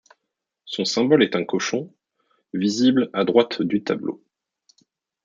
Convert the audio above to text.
Son symbole est un cochon, visible à droite du tableau.